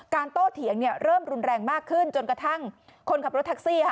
โตเถียงเริ่มรุนแรงมากขึ้นจนกระทั่งคนขับรถแท็กซี่